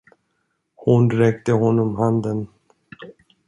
Hon räckte honom handen.